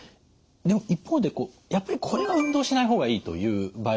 一方でやっぱりこれは運動しない方がいいという場合もあるんですか？